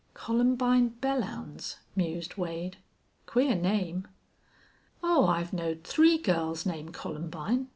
"Columbine Belllounds," mused Wade. "Queer name." "Oh, I've knowed three girls named Columbine.